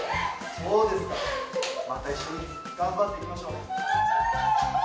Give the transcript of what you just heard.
そうですかまた一緒に頑張って行きましょうね。